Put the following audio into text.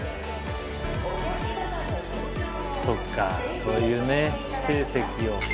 そっかそういうね指定席を。